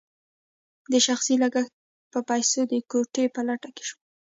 د شخصي لګښت په پیسو د کوټې په لټه شوم.